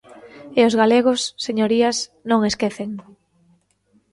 E os galegos, señorías, non esquecen.